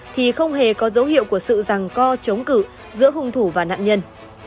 thì không hề có dấu hiệu của sự rằng co chống cử giữa hung thủ và nạn nhân